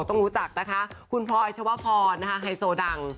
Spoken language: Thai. ต้องรู้จักนะคะคุณพลอยชวพรนะคะไฮโซดัง